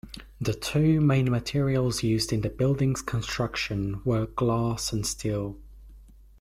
The two main materials used in the building's construction were glass and steel.